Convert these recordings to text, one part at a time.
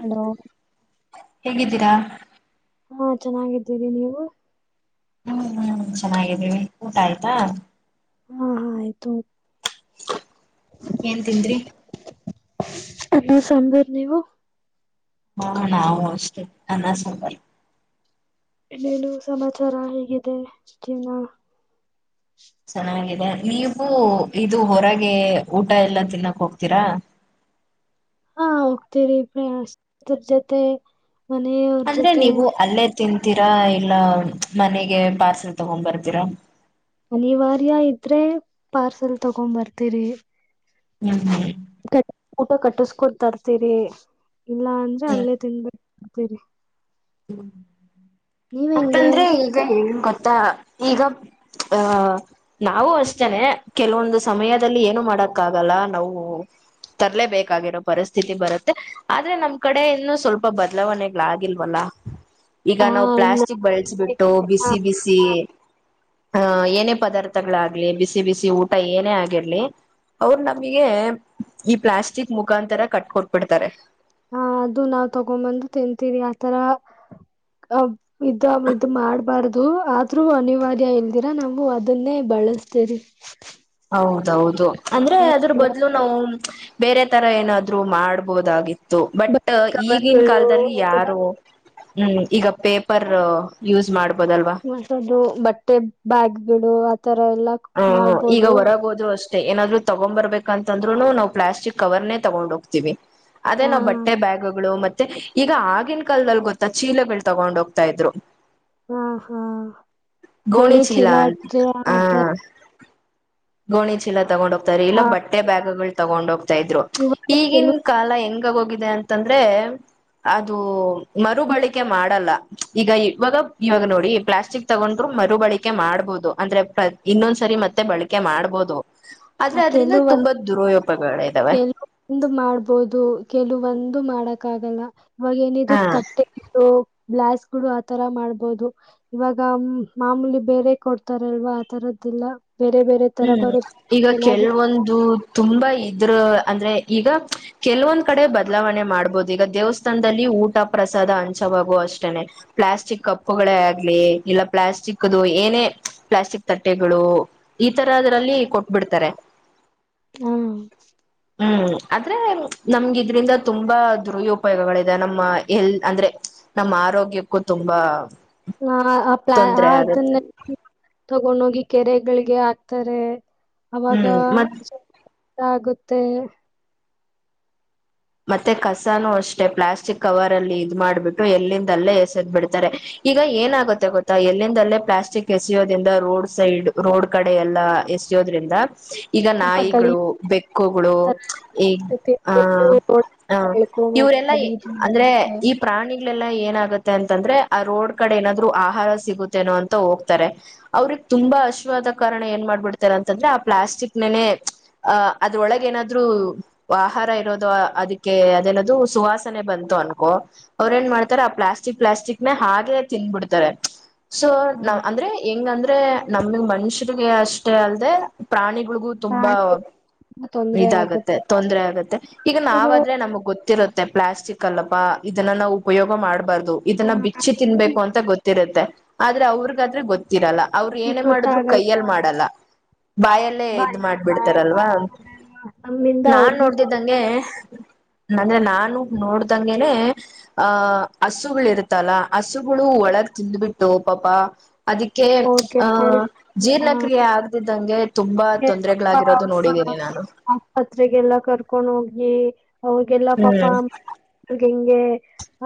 Hello ಹೇಗಿದ್ದೀರಾ ಹಾ ಚೆನ್ನಾಗಿದ್ದೀವಿ ನೀವು ಹ್ಮ್ ಹ್ಮ್ ಚೆನ್ನಾಗಿದ್ವಿ ಊಟ ಆಯ್ತಾ ಹಾ ಹಾ ಆಯ್ತು ಏನ್ ತಿಂದ್ರಿ ಅನ್ನ ಸಾಂಬಾರ್ ನೀವು ಹೂ ನಾವು ಅಷ್ಟೇ ಅನ್ನ ಸಾಂಬಾರ್ ಇನ್ನೇನು ಸಮಾಚಾರ ಹೇಗಿದೆಜೀವನ ಚೆನ್ನಾಗಿದೆ ನೀವು ಇದು ಹೊರಗೆ ಊಟ ಎಲ್ಲಾ ತಿನ್ನಕ್ ಹೋಗ್ತೀರಾ ಹಾ ಹೋಗ್ತಿೀರಿ ಪ್ರಯಾಸ ಅದರ ಜೊತೆ ಮನೆಯ ಅವ್ರ ಅಂದ್ರೆ ಜೊತೆ ನೀವು ಅಲ್ಲೇ ತಿಂತೀರಾ ಇಲ್ಲ ಮನೆಗೆ ಪಾರ್ಸೆಲ್ ತಗೊಂಡ್ ಬರ್ತೀರಾ ಅನಿವಾರ್ಯ ಇದ್ರೆ ಪಾರ್ಸಲ್ ತಗೊಂಬ ಬರ್ತೀರಿ ಹ್ಮ ಹ್ಮ. [unintelligible] ಕಟ್- ಊಟ ಕಟ್ಟಸ್ಕೊಡ್ ತರ್ತೀರಿ. ಇಲ್ಲ ಅಂದ್ರೆ ಅಲ್ಲೇ ತಿನ್ಬೇಕ. ಬರ್ತೀರಿ. ಹ್ಮ. ನೀವ್ ಹೆಂಗೆ ಯಾಕಂದ್ರೆ ಈಗೆ ಹೇಳು ಗೋ. ತಾ ಈಗ ಅಹ ನಾವು ಅಷ್ಟೇನೆ ಕೆಲವೊಂದು ಸಮಯದಲ್ಲಿ ಏನು ಮಾಡಕ್ಕ ಆಗಲ್ಲ ನಾವು ತರಲೇಬೇಕಾಗಿರೋ ಪರಿಸ್ಥಿತಿ ಬರುತ್ತೆ ಆದ್ರೆ ನಮ್ ಕಡೆ ಇನ್ನುೂ ಸ್ವಲ್ಪ ಬದಲಾವಣೆಗಳಾಗಿಲ್ವಲ್ಲ. ಹ. ಈಗ ಹ ನಾವು ಇನ್ನ ಪ್ಲಾಸ್ಟಿಕ್ ಬಳಸಬಿಟ್ಟು ಹ ಬಿಸಿ ಬಿಸಿ. ಹಾ ಏನೇ. ಪದಾರ್ಥಗಳಾಗ್ಲಿ ಬಿಸ್. ಬಿಸಿ ಬಿಸಿ ಊಟ ಏನೇ ಆಗಿರ್ಲಿ ಅವರು ನಮಿಗೆ ಏ ಈ ಪ್ಲಾಸ್ಟಿಕ್ ಮುಖಾಂತರ ಕಟ್ಕೊಟ್ಬಿಡ್ತಾರೆ. ಹಾ ಅದು ನಾವ್ ತಗೊಂಡಬಂದು ತಿಂತೀವಿ ಆತರ ಅ ಇದ ಇದ ಮಾಡ್ಬಾರ್ದು ಆದ್ರೂ ಅನಿವಾರ್ಯ ಇಲ್ದಿರ ನಾವು ಅದನ್ನೇ ಬಳಸ್ತೀವಿ. ಹೌದೌದು ಅಂದ್ರೆ ಅದ್ರ ಬದ್ಲು ನಾವು. ಬೇರೆ ತರ ಏನಾದ್ರು ಮಾಡ್ಬೋದಾಗಿ. ತು ಬಟ್ ಬಟ್ಟೆ ಈಗಿನ ಕವರ್ಗಳು ಕಾಲದಲ್ಲಿ ಯಾರು. ಹ್ಮ್ ಈಗ. ಪೇಪರ್ ಯೂಸ್ ಮಾಡ್ಬೋದಲ್ವಾ. ಬಿಡು ಆದ್. ಈತರ ಎಲ್ಲಾಕ ಮಾಡ್ಬೋದು. ಮತ್ತೆ ಏನಾದ್ರು ತಗೊಂಡಬರ್ಬೇಕು ಅಂತ್ ಅಂದ್ರೂನು ನಾವು ಪ್ಲಾಸ್ಟಿಕ್ ಕವರನೆ ತಗೊಂಡ ಹೋಗ್ತೀವಿ. ಅದೇ ಹಾ ನಾವು ಬಟ್ಟೆ ಬ್ಯಾಗ್ಗಳು ಮತ್. ಮತ್ತೆ ಈಗ ಆಗಿನ ಕಾಲದಲ್ಲಿ ಗೊತ್ತಾ ಚೀಲಗಳು ತಗೊಂಡ್ ಹೋಗ್ತಾ ಇದ್ರು. ಹಾ ಹಾ ಗೋಣಿ ಚೀಲ ಚಿಲ ಅಂತ ಹ ಚಿಲಾಂತರ್. ಗೋಣಿ ಚೀಲಾ ತಗೊಂಡೊಂಗ.. ತಾರೆ ಇಲ್ಲ ಬಟ್ಟೆ ಬ್ಯಾಗಗಳು. ತೊಗೊಂಡ ಹೋಗ್ತಾ ಇದ್ರು ಈಗಿನ ಕಾಲ ಹೆಂಗ ಹೆಂಗ್ ಆಗ್ ಹೋಗಿದೆ ಅಂತಂದ್ರೆ ಅದು ಮರು ಬಳಕೆ ಮಾಡಲ್ಲ ಈಗ ಇವಾಗ ಇವಾಗ ನೋಡಿ ಪ್ಲಾಸ್ಟಿಕ್ ತಗೊಂಡ್ರು ಮರು ಬಳಕೆ ಮಾಡ್ಬಹುದು ಅಂದ್ರೆ ಪ್ರತಿ. ಇನ್ನೊಂದ್ಸರಿ ಮತ್ತೆ ಬಳಕೆ ಮಾಡ್ಬೋದು. ಆ ಆದ್ರೆ ಅದ್ರಿಂದ ಕೆಲುವ ತುಂಬಾ ದುರುಪಯೋಗಗಳಿದಾವೆ ಕೆಲುವೊಂದು ಮಾಡ್ಬೋದು ಕೆಲುವೊಂದ. ಅದು ಮಾಡಕ್ಕ ಆಗಲ್ಲಾ. ಇವಾಗ ಏನಿದು ಹಾ ತಟ್ಟೆ ಬ್ಲೋ ಗ್ಲಾಸ್ ಬುಡು ಆತರ ಮಾಡ್ಬೋದು ಇವಾಗ ಮಾಮೂಲಿ ಬೇರೆ ಕೊಡ್ತಾರಲ್ವಾ ಆ ತರದೀಲ್ಲಾ. ಬೇರೆ ಬೇರೆ ತರ ಹ್ಮ್ ಬರುತ್ ಈಗ ಕೆಲವೊಂದು ತುಂಬಾ ಇದ್ರ ಅಂದ್ರೆ ಈಗ ಕೆಲ್ವೊಂದ್ ಕಡೆ ಬದಲಾವಣೆ ಮಾಡ್ಬೊದ್ ಈಗ ದೇವಸ್ಥಾನದಲ್ಲಿ ಊಟ ಪ್ರಸಾದ ಹಂಚವಾಗೊ ಅಷ್ ತಣೆ ಪ್ಲಾಸ್ಟಿಕ್ ಕಪ್ ಪೊಗಳೆ ಆಗ್ಲಿ ಇಲ್ಲ ಪ್ಲಾಸ್ಟಿಕ್ದು ಏನೇ ಪ್ಲಾಸ್ಟಿಕ್ ತಟ್ಟೆಗಳು. ಈ ತರ ಅದ್ರಲ್ಲಿ ಕೊಟ್ಬಿಡ್ತಾರೆ. ಹ್ಮ್ ಹ್ಮ್ ಆದ್ರೆ ನಮ್ಗೆ ಇದ್ರಿಂದ ತುಂಬಾ ದುರುವೋಪಯೋಗಗಳಿದೆ ನಮ್ಮ ಎಲ್ ಅಂದ್ರೆ ನಮ್ಮ ಆರೋಗ್ಯಕ್ಕೂ ತುಂಬಾ. ನಾ ಅ ಪ್ಲ ತೊಂದರೆ ಆಗತ್ತೆ ಅದುನ್ನೆ ತಗೊಂಡ್ ಹೋಗಿ. ಕೆರೆಗಳ್ಗೆ ಹಾಕ್ತಾರೆ. ಅವಾಗ ಹ್ಮ್ ಮತ್ ಚ್. ತಾ ಆಗುತ್ತೆ. ಮತ್ತೆ ಕಸನೂ ಅಷ್ಟೆ ಪ್ಲಾಸ್ಟಿಕ್ ಕವರ್ ಅಲ್ಲಿ ಇದ್ ಮಾಡ್ಬಿಟ್ಟು ಎಲ್ಲಿಂದಲ್ಲೇ ಎಸೆದ್ ಬಿಡ್ತಾರೆ ಈಗ ಏನಾಗುತ್ತೆ ಗೊತ್ತಾ ಎಲ್ಲಿಂದಲ್ಲೇ ಪ್ಲಾಸ್ಟಿಕ್ ಎಸಿಯೋದ್ರಿಂದ ರೋಡ್ ಸೈಡ್ ರೋಡ್ ಕಡೆ ಎಲ್ಲಾ ಎಸ್ಯೋದ್ರಿಂದ. ಈಗ ಸ್ವಲ್ಪ ನಾಯಿಗ್ಳು ಗಲೀಜ್ ಬೆಕ್ಕುಗ್ಳು ಆತರ ಈ ತಿಂದ್ಬಿಟ್ಟು ಆಹ ಹ ಇವ್ರೆಲ್ಲಾ ಗಲೀಜ್ ಅಂದ್ರೆ ಮಾಡುತ್ತೆ ಈ ಪ್ರಾಣಿ. ಇಲ್ಲೆಲ್ಲ ಏನ್ ಆಗುತ್ತೆ ಅಂತಂದ್ರೆ ಆ ರೋಡ್ ಕಡೆ ಏನಾದ್ರು ಆಹಾರ ಸಿಗುತ್ತೇನೋ ಅಂತ ಹೋಗ್ತಾರೆ ಅವ್ರಿಗ್ ತುಂಬಾ ಅಶ್ವಾದ ಕಾರಣ ಏನ್ ಮಾಡ್ಬಿಡ್ತಾರೆ ಅಂತಂದ್ರೆ ಆ ಪ್ಲಾಸ್ಟಿಕ್ ನೇನೆ ಅಹ ಅದ್ರೊಳಗೆ ಏನಾದ್ರು ಆಹಾರ ಇರೋದು. ಅದಕ್ಕೆ ಅದೇನದು ಸುವಾಸನೆ ಬಂತು ಅನ್ಕೋ ಅವ್ರ ಏನ್ ಮಾಡ್ತಾರೆ ಆ ಪ್ಲಾಸ್ಟಿಕ್ ಪ್ಲಾಸ್ಟಿಕ್ ನ ಹಾಗೆ ತಿನ್ಬಿಡ್ತಾರೆ ಸೊ ನಾವ ಅಂದ್ರೆ ಹೆಂಗ ಅಂದ್ರೆ ನಮಗ್ ಮನುಷ್ಯರಿಗೆ ಅಷ್ಟೇ ಅಲ್ದೆ ಪ್ರಾಣಿಗ ಗು ತುಂಬಾ ಪ್ರಾಣಿಗಳಿಗೂ ತೊಂದ್ರೆ ಇದಾಗತ್ತೆ ತೊಂದರೆ ಆಗತ್ತೆ ಆಗತ್ತೆ ನಾವಾದ್ರೆ ನಮ್ಗ್ ಗೊತ್ತಿಲ್ಲ ಇರುತ್ತೆ ಪ್ಲಾಸ್ಟಿಕ್ ಅಲ್ಲಾ ಇದನ್ನ ನಾವು ಉಪಯೋಗ ಮಾಡ್ಬಾರ್ದ ದು ಇದನ್ನ ಹ್ಮ ಬಿಚ್ಚಿ ತಿನ್ಬೇಕು ಅಂತ ಗೊತ್ತಿರುತ್ತೆ ಆದ್ರೆ ಅವ್ರಗಾದ್ರೆ ಗೊತ್ತ. ಇರಲ್ಲ ಅವ್ರರು ಏನೇ ಮಾಡಿದ್ರು ಕೈಯ್ಯಲ್ಲಿ ಮಾಡಲ್ಲ ಬಾಯಲ್ಲೇ ಇದ್ ಬಯಯ ಮಾಡ್ಬಿಡ್ತಾರಲ್ವಾ ಮಾಡ್ಕ ನಮ್ಮಿಂದ ಅವ್ರಿಗೂ ತೊಂದರೆ ಆಗುತೆ ಮೊನ್ನೆ ನಾನು ನೋಡ್ದಂಗೆನೆ ಆಹ ಹಸುಗಳ ಇರ್ತ್ತಲ್ಲ ಹಸುಗಳು ಒಳಗ್ ತಿಂದಬಿಟ್ಟು ಪಾಪ ಅದಕ್ಕೆ ಅವ್ರಿಗೆ ಆಹ ಹ ಜೀರ್ಣಕ್ರಿಯೆ ಆಗದಿದ್ದ [unintelligible] [unintelligible] ಆಸ್ಪತ್ರೆಗೆಲ್ಲ ಕರ್ಕೊಂಡು ಹೋಗ್ ಎ ಅವುಗೆಲ್ಲ ಪಾಪ. ಹ್ಮ್ ಹೆಂಗೆ.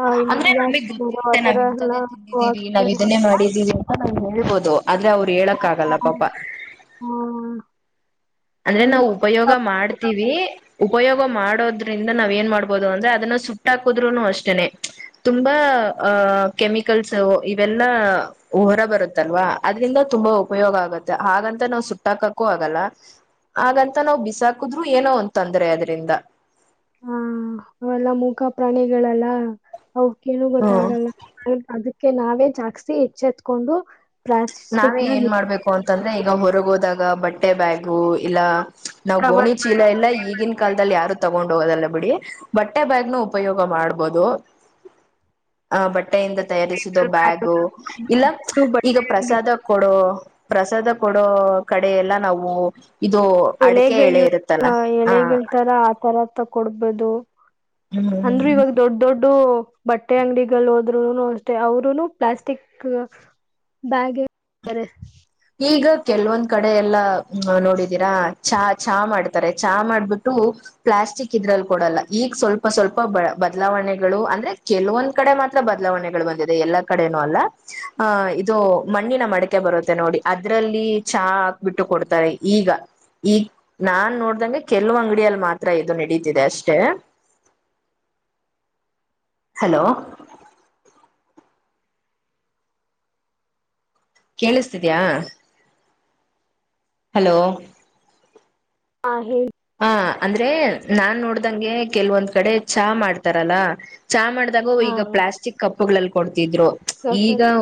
ಆ ಅಂದ್ರೆ ನಮಿಗ್ ಗೊತ್ತಿರುತ್ತೆ ಆತರ ನಾವ್ ಎಲ್ಲ ಇಂತದ್ದೆ ತಿಂದಿದ್ದೀವಿ ನಾವ್ ಹಾಕ್ಸ್ತಾರೆ ಇದನ್ನೇ ಮಾಡಿದೀವಿ ಅಂತ. ನಂಗ್ ಹೇಳ್ಬೋದು. ಆದ್ರೆ ಅವ್ರ್ ಹೇಳಕಗಲ್ಲ ಪಾಪ. ಅಂದ್ರೆ ಅಂದ್ರ ನಾವ್ ಉಪಯೋಗ ಮಾಡ್ತೀವಿ ಉಪಯೋಗ್ ಉಪಯೋಗ ಮಾಡೋದ್ರಿಂದ ನಾವ್ ಏನ್ ಮಾಡ್ಬೋದು ಅಂದ್ರೆ ಅದನ್ನ ಸುಟ್ಟಾಕುದ್ರೂನು ಅಷ್ಟೇನೆ ತುಂಬಾ ಆಹ ಕೆಮಿಕಲ್ಸು ಇವೆಲ್ಲಾ ಹೊರ ಬರುತ್ತಲ್ವಾ ಅದ್ರಿಂದ ತುಂಬಾ ಉಪಯೋಗ ಆಗುತ್ತೆ ಹಾಗಂತ ನಾವ್ ಸುಟ್ಟ ಹಾಕಕೂ ಆಗಲ್ಲ. ಹಾಗಂತ ನಾವ್ ಬಿಸಾಕಿದ್ರು ಏನೋ ಒಂದು ತೊಂದರೆ ಅದರಿಂದ ಹಾ ಅವೆಲ್ಲ ಮೂಖ ಪ್ರಾಣಿಗಳಲ್ಲ ಅವಕೇನು ಹ್ಮ್ ಗೊತ್ತಾಗಲ್ಲ ಹ ಅದಕ್ಕ ಅದಕ್ಕೆ ನಾವೇ ಜಾಸ್ತಿ ಎಚ್ಚೆತ್ಕೊಂಡು ಪ್ಲಾಸ್ಟಿಕ್ ನಾವೇ ನ ಏನ್ ಮಾಡ್ಬೇಕು ಅಂತಂದ್ರೆ ಈಗ ಹೊರಗ ಹೋದಾಗ ಅ ಬಟ್ಟೆ ಬ್ಯಾಗು ಇಲ್ಲ ನಾವ್ ಗೋಣಿ ಕವರ್ಗಳು ಚೀಲ ಎಲ್ಲಾ ಈಗಿನ ಕಾಲದಲ್ಲಿ ಯಾರು ತಗೊಂಡ್ ಹೋಗೋಲ್ಲ ಬಿಟ್ಟುಬಿಡಿ ಬಟ್ಟೆ ಬ್ಯಾಗ್ ಉಪಯೋಗ ಮಾಡಬೋದು ಅ ಬಟ್ಟೆ ಬಟ್ಟೆಯಿಂದ ತಯಾರಿಸಿದ ಬ್ಯಾಗ್ ಬ್ಯಾಗು ಇಲ್ಲಾ ದೊಡ್ಡ ಈಗ ಬಟ್ಟೆ ಅಂಗಡಿ ಪ್ರಸಾದ ಕೊಡೋ ಪ್ರಸಾದ ಕೊಡೋ ಕಡೆ ಎಲ್ಲ ನಾವು ಇದು ಅಡಿಕೆ ಎಲೆಗಳು ಎಳೆ ಇರುತ್ತಲ್ಲ ಇರುತ್ತವೆ ಹ ಎಲೆಗಳ ತರ ಆತರಾ ತಕ್ಕೂಡ ಬಂದು ಅಂದ್ರು, ಹ್ಮ್ ಇವಾಗ ದೊಡ್ಡ ದೊಡ್ಡ ಬಂದ್ಬಿಟ್ಟು ಬಟ್ಟೆ ಅಂಗಡಿಗಳಿಗೂ ಹೋದ್ರುನು ಅಷ್ಟೇ ಅವರುನು ಪ್ಲಾಸ್ಟಿಕ್ ಬ್ಯಾಗ್ ಕೂಡುತ್ತಾರೆ ಈಗ ಕೆಲವೊಂದ ಕಡೆ ಎಲ್ಲಾ ನೋಡಿದೀರಾ ಚಾ ಚಾ ಮಾಡುತ್ತಾರೆ ಚಾ ಮಾಡಬಿಟ್ಟು ಪ್ಲಾಸ್ಟಿಕ್ ಇದ್ರಲ್ಲಿ ಕೊಡಲ್ಲಾ ಈಗ ಸ್ವಲ್ಪ ಸ್ವಲ್ಪ ಬ ಬದಲಾವಣೆಗಳು ಅಂದ್ರೆ ಕೆಲವೊಂದ ಕಡೆ ಮಾತ್ರ ಬದಲಾವಣೆಗಳು ಬಂದಿದೆ. ಎಲ್ಲಾ ಕಡೆನೂ ಅಲ್ಲ ಅಹಾ ಇದು ಮಣ್ಣಿನ ಮಡಕೆ ಬರುತ್ತೆ ನೋಡಿ ಅದರಲ್ಲಿ ಚಹಾ ಹಾಕಬಿಟ್ಟು ಕೊಡ್ತಾರೆ ಈಗ ಈಗ ನಾನ್ ನೋಡಿರುವ ಕೆಲವು ಅಂಗಡಿಯಲ್ಲಿ ಮಾತ್ರ ಇದು ನಡೀತಿದೆ ಅಷ್ಟೇ ಹಲೋ ಕೇಳಿಸತ್ತಿದೆಯಾ ಹಲೋ ಹಾ ಹೇಳಿ ಹಾ ಅಂದ್ರೆ ನಾನ್ ನೋಡಿದಂಗೆ ಕೆಲವೊಂದು ಕಡೆ ಚಾ ಮಾಡ್ತಾರಲ್ಲ ಚಾ ಮಾಡಿದಾಗ ಈಗ ಪ್ಲಾಸ್ಟಿಕ್ ಕಪ್ಪಗಳಲ್ಲಿ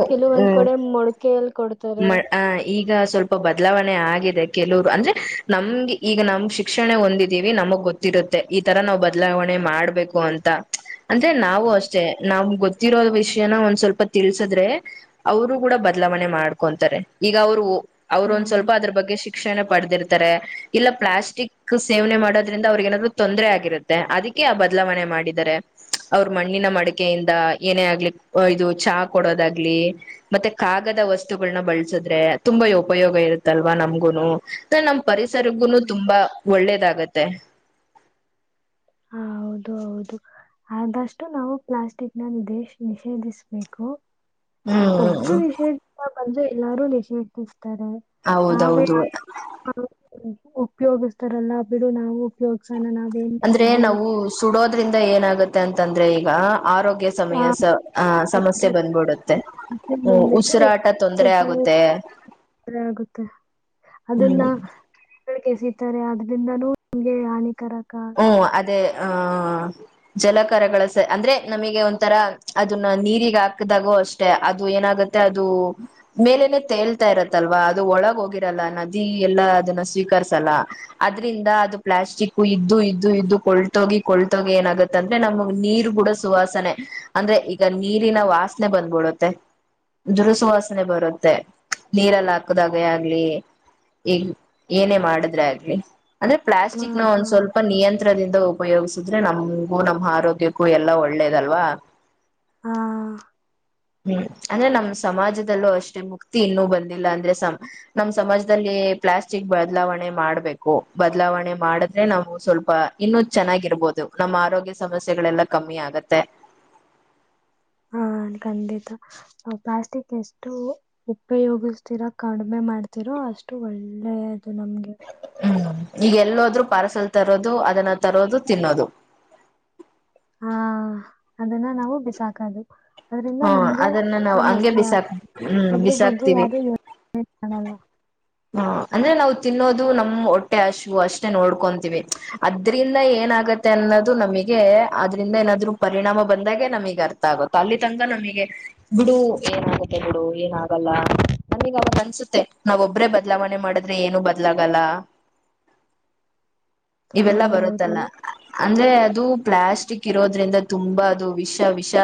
ಕೆಲವೊಂದ ಕಡೆ ಮಡಕೆಯಲ್ಲಿ ಕೊಡ್ತಾರೆ ಮ ಆ ಈಗ ಸ್ವಲ್ಪ ಬದಲಾವಣೆ ಆಗಿದೆ ಕೆಲವರು ಅಂದ್ರೆ ನಮ್ಗೆ ಈಗ ನಮ್ಗೆ ಶಿಕ್ಷಣ ಹೊಂದಿದ್ದೇವಿ ನಮಗೆ ಗೊತ್ತಿರುತ್ತೆ ಈ ತರಾ ನಾವು ಬದಲಾವಣೆ ಮಾಡಬೇಕು ಅಂತ, ಅಂದ್ರೆ ನಾವು ಅಷ್ಟೇ ನಾವ್ ಗೊತ್ತಿರೋ ವಿಷಯನ ಒಂದ್ ಸ್ವಲ್ಪ ತಿಳಿಸಿದ್ರೆ ಅವರು ಕೂಡ ಬದಲಾವಣೆ ಮಾಡ್ಕೊಂತಾರೆ ಈಗ ಅವ್ರು ಅವರು ಹಾ ಒಂದ ಸ್ವಲ್ಪ ಅದರ ಬಗ್ಗೆ ಶಿಕ್ಷ ಶಿಕ್ಷಣೆ ಪಡೆದಿರುತ್ತಾರೆ ಇಲ್ಲ ಪ್ಲಾಸ್ಟಿಕ್ ಸೇವನೆ ಮಾಡುವುದರಿಂದ ಅವರಿಗೂ ಏನು ತೊಂದರೆ ಆಗಿರುತ್ತೆ ಅದಕ್ಕೆ ಆ ಬದಲಾವಣೆ ಮಾಡಿದಿದ್ದಾರೆ ಅವರ ಮಣ್ಣಿನ ಮಡಿಕೆಯಿಂದ ಏನೇ ಆಗ್ಲಿ ಇದು ಚಾ ಕೊಡೋದಾಗ್ಲಿ ಮತ್ತೆ ಕಾಗದ ವಸ್ತುಗಳನ್ನು ಬಳಸಿದ್ರೆ ತುಂಬಾ ಉಪಯೋಗ ಇರುತ್ತಲ್ವಾ ನಮಗೂನು ಇದರಿಂದ ನಮ್ಮ ಹ್ಮ್ ಪರಿಸರಕ್ಕೂ ಹ್ಮ್ ತುಂಬಾ ಇದಾಗುತ್ತೆ ಹ ಹೌದು ಹೌದು ಆದಷ್ಟು ನಾವು ಪ್ಲಾಸ್ಟಿಕ್ ನನ್ನು ನಿಷೇಧಿಸಬೇಕು ಒಬ್ಬರು ಹ್ಮ್ ವಿಷಯ ಅಂದ್ರೆ ಎಲ್ಲಾರೂ ನಿಷೇಧಿಸುತ್ತಾರೆ ಹೌದು ಹೌದು ಉಪಯೋಗಿಸ್ತಾರಲ್ಲ ಬಿಡು ನಾವು ಉಪಯೋಗಿಸೋಣ ನಾವೇನ್ ಅಂದ್ರೆ ಮಾಡೋದು ನಾವು ಸುಡೋದ್ರಿಂದ ಏನಾಗುತ್ತೆ. ತೆಂತ್ತಂದ್ರೆ ಈಗ. ಆರೋಗ್ಯ ಸಮಯ ಆ ಹ ಸಮಸ್ಯೆ ಬಗ್ಗೆ ಬಂದ್ಬಿಡುತ್ತೆ ಹ್ಮ್ ಬಂದ್ಬಿಟ್ಟು ಉಸಿರಾಟ ತೊಂದ್ರೆ ಸ್ವಲ್ಪ ಆಗುತ್ತೆ ತೊಂದ್ರೆ ಆಗುತ್ತೆ ಹ್ಮ್. ದಿಂದನು ನಮ್ಗೆ ಹಾನಿಕರ. ಹ್ಮ್ ಅದೇ. ಆಹ ಜಲಕಾರಗಳ ಸ ಅಂದ್ರೆ ನಮಿಗೆ ಒಂಥರ ಅದುನ್ನ ನೀರಿಗ್ ಹಾಕ್ದಾಗೂ ಅಷ್ಟೆ ಅದು ಏನಾಗತ್ತೆ ಅದು ಮೇಲೇನೆ ತೇಲ್ತಾ ಇರತ್ತಲ್ವಾ ಅದು ಒಳಗ್ ಹೋಗಿರಲ್ಲ ನದಿ ಎಲ್ಲ ಅದನ್ನ ಸ್ವೀಕರ್ಸಲ್ಲ ಅದ್ರಿಂದ ಅದು ಪ್ಲಾಸ್ಟಿಕು ಇದ್ ಇದು ಇದು ಇದ್ದು ಕೊಳ್ತೋಗಿ ಕೊಳ್ತೋಗಿ ಏನಾಗುತ್ತೆ ಅಂದ್ರೆ ನಮ್ಗ್ ನೀರ್ ಕೂಡ ಸುವಾಸನೆ ಅಂದ್ರೆ ಈಗ ನೀರಿನ ವಾಸ್ನೆ ಬಂದ್ಬಿಡುತ್ತೆ ದುರಸುವಾಸನೆ ಬರುತ್ತೆ ನೀರಲ್ಲ ಹಾಕದಾಗ ಆಗ್ಲಿ ಈಗ್ ಏನೇ ಮಾಡಿದ್ರೆ ಆಗ್ಲಿ. ಅಂದ್ರೆ ಆ ಪ್ಲಾಸ್ಟಿಕ್ನ ಒಂದ್ ಸ್ವಲ್ಪ. ಯಂತ್ರದಿಂದ ಉಪಯೋಗ್ಸಿದ್ರೆ ನಮ್ಗೂ ನಮ್ ಆರೋಗ್ಯಕ್ಕೂ ಎಲ್ಲಾ ಒಳ್ಳೇದಲ್ವಾ. ಹಾ. ಹ್ಮ್ ಅಂದ್ರೆ ನಮ್ ಸಮಾಜದಲ್ಲೂ ಅಷ್ಟೇ ಮುಕ್ತಿ ಇನ್ನೂ ಬಂದಿಲ್ಲ ಅಂದ್ರೆ ಸಮ ನಮ್ ಸಮಾಜದಲ್ಲಿ ಪ್ಲಾಸ್ಟಿಕ್ ಬದಲಾವಣೆ ಮಾಡ್ಬೇಕು ಬದಲಾವಣೆ ಮಾಡಿದ್ರೆ ನಾವು ಸ್ವಲ್ಪ ಇನ್ನುೂ ಚೆನ್ನಾಗಿರ್ಬೋದು ನಮ್ಮ ಆರೋಗ್ಯ ಸಮಸ್ಯೆಗಳೆಲ್ಲ ಕಮ್ಮಿ ಆಗತ್ತೆ. ಹಾ ಖಂಡಿತ ಪ್ಲಾಸ್ಟಿಕ್ ಎಷ್ಟು ಉಪಯೋಗಿಸ್ತೀರೋ ಕಡಿಮೆ ಮಾಡ್ತೀರೋ ಅಷ್ಟು ಒಳ್ಳೆ. ಅದು ನಮ್ಗೆ. ಹ್ಮ್ ಈಗ ಎಲ್ಲೋದ್ರು ಪಾರ್ಸೆಲ್ ತರೋದು ಅದನ್ನ ತರೋದು ತಿನ್ನೋದು. ಹಾ ಅದನ್ನ ನಾವು ಬಿಸಾಕದು. ಅದ್ರಿಂದ ಹ್ಮ ನಮ್ಗೆ ಅದನ್ನ ನಾವು ಹಂಗೆ ಸಮಸ್ಯೆ ಆಗ ಬಿಸಾಕ್ ಹ್ಮ್ ಅದ್ರ ಬಗ್ಗೆ ಬಿಸಾಕ್ತಿವಿ. ಯಾರು ಯೋಚನೆ ಮಾಡಲ್ಲ ಹ ಅಂದ್ರೆ ನಾವು ತಿನ್ನೋದು ನಮ್ ಹೊಟ್ಟೆ ಹಶುವು ಅಷ್ಟೇ ನೋಡ್ಕೊಂತೀವಿ ಅದ್ರಿಂದ ಏನಾಗತ್ತೆ ಅನ್ನೋದು ನಮಗೆ ಅದ್ರಿಂದ ಏನಾದ್ರು ಪರಿಣಾಮ ಬಂದಾಗೆ ನಮಗ್ ಅರ್ಥ ಆಗುತ್ತ ಅಲ್ಲಿ ತನಕಾ ನಮಗೆ ಬಿಡು ಏನಾಗತ್ತೆ ಬಿಡು ಏನಾಗಲ್ಲ ನಮಗ್ ಅವಗ ಅನ್ಸುತ್ತೆ ನಾವ್ ಒಬ್ಬ್ರೇ ಬದ ಬದ್ಲಾವಣೆ ಮಾಡಿದ್ರೆ ಏನು ಬದ್ಲಾಗಲ್ಲ. ಹ ಇವೆಲ್ಲಾ ಹೌದು ಬರುತ್ತಲ್ಲ. ಅಂದ್ರೆ ಅದು ಪ್ಲಾಸ್ಟಿಕ್ ಇರೋದ್ರಿಂದ ತುಂಬಾ ಅದು ವಿಷ ವಿಷ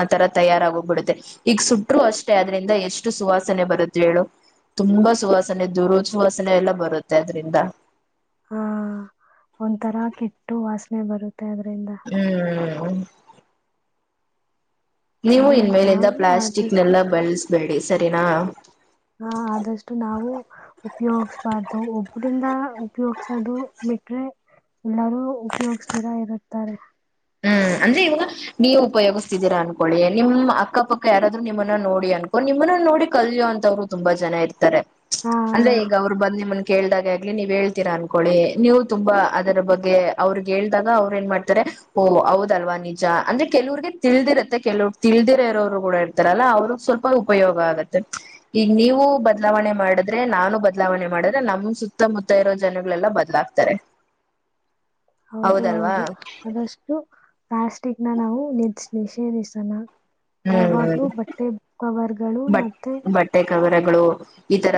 ಆ ತರ ತಯಾರಾಗೋಗ್ಬಿಡುತ್ತೆ ಈಗ ಸುಟ್ಟರು ಅಷ್ಟೇ ಅದ್ರಿಂದ ಎಷ್ಟು ಸುವಾಸನೆ ಬರುತ್ತೆ ಹೇಳು ತುಂಬಾ ಸುವಾಸ ನೆ ದುರು ಸುವಾಸನೆ ಎಲ್ಲಾ ಬರುತ್ತೆ ಅದ್ರಿಂದ.. ಹಾ ಒಂಥರ ಕೆಟ್ಟ ವಾಸನೆ ಬರುತ್ತೆ ಆದ್ರಿಂದ ಹ್ಮ ನೀವು ಅದೇ ಇನ್ ಮೇಲಿಂದ ನಾವು ಆದಷ್ಟು ಪ್ಲಾಸ್ಟಿಕ್ನೆಲ್ಲ ಬೆಳಸ್ಬೇಡಿ. ಸರಿನಾ. ಹಾ ಆದಷ್ಟು ನಾವು ಉಪ್ಯಯೋಗಸ್ಬಾರ್ದು ಒಬ್ಬರಿಂದ ಉಪಯೋಗ್ಸದು ಬಿಟ್ರೆ ಎಲ್ಲರೂ ಉಪಯೋಗಸ್ದಿರಾ ಎಲ್ಲರೂ ಇರುತ್ತಾರೆ. ಹ್ಮ್ ಅಂದ್ರೆ ಇವಾಗ ನೀವು ಉಪಯೋಗಿಸ್ತಿದೀರಾ ಅನ್ಕೊಳ್ಳಿ ನಿಮ್ಮ್ ಅಕ್ಕಪಕ್ಕ ಯಾರಾದ್ರು ನಿಮ್ಮನ್ನ ನೋಡಿ ಅನ್ಕೊಂಡ ನಿಮ್ಮನ್ನ ನೋಡಿ ಕಲ್ಯೋ ಅಂತವ್ರು ತುಂಬಾ ಜನ ಇರ್ತಾರೆ. ಹಾ ಅಂದ್ರೆ ಈಗ ಅವ್ರ್ ಬಂದ್ ನಿಮನ್ ಕೇಳ್ದಾಗೆ ಆಗ್ಲಿ ನೀವ್ ಹೇಳ್ತೀರಾ ಅನ್ಕೊಳಿ ನೀವ್ ತುಂಬಾ ಅದರ ಬಗ್ಗೆ ಅವ್ರ್ ಗೆಳ್ದಾಗ ಅವ್ರ್ ಏನ್ ಮಾಡ್ತಾರೆ. ಓ ಹೌದಲ್ವಾ ನಿಜ ಅಂದ್ರೆ ಕೆವುವ್ರಗೆ ತಿಳ್ದಿರತ್ತೆ ಕೆಲವ ತಿಳ್ದಿರ ಇರೋರು ಕೂಡ ಇರ್ತಾರಲ್ಲ ಅವ್ರಗ್ ಸ್ವಲ್ಪ ಉಪಯೋಗ ಆಗತ್ತೆ ಈಗ ನೀವು ಬದ್ಲಾವಣೆ ಮಾಡಿದ್ರೆ ನಾನು ಬದ್ಲಾವಣೆ ಮಾಡಿದ್ರೆ ನಮ್ ಸುತ್ತಮುತ್ತ ಇರೋ ಜನಗಳೆಲ್ಲ ಬದ್ಲಾಗ್ತಾರೆ. ಹೌದು ಹೌದಲ್ವಾ ಹೌದು ಆದಷ್ಟು. ಪ್ಲಾಸ್ಟಿಕ್ನ ನಾವು ನಿದ್ಷ್ ನಿಷೇದಿಸೊಣ. ಯಾವಾಗ್ಲೂ ಹ್ಮ್ ಬಟ್ಟೆ ಕವರ್ಗಳು ಬಟ್ ಮತ್ತೆ. ಬಟ್ಟೆ ಕವರಗಳು ಈ ತರ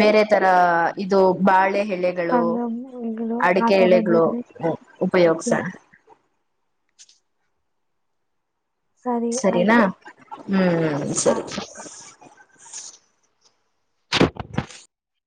ಬೇರೆ ತರ ಇದು ಬಾಳೆ ಹೆ ಎಳೆಗಳು ಅದು ಆ ಅಡಿಕೆ ಎಳಗಳು ಥರದನ್ನೇ ಉಪಯೋಗ್ಸೋಣ. ಉಪಯೋಗಿಸು ಸರಿ ಸರಿನಾ ಆಯ್ತು. ಹ್ಮ್ ಸರಿ.